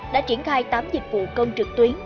đã triển khai tám dịch vụ công trực tuyến